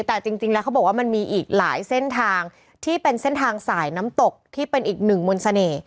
แต่จริงแล้วเขาบอกว่ามันมีอีกหลายเส้นทางที่เป็นเส้นทางสายน้ำตกที่เป็นอีกหนึ่งมนต์เสน่ห์